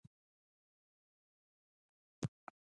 احمد په سیالۍ کې خپل سر علي ته وګرولو، خپله ماتې یې و منله.